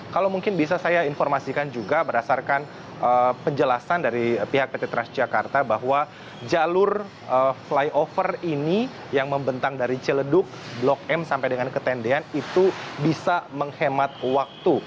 kalau mungkin bisa saya informasikan juga berdasarkan penjelasan dari pihak pt transjakarta bahwa jalur flyover ini yang membentang dari ciledug blok m sampai dengan ke tendean itu bisa menghemat waktu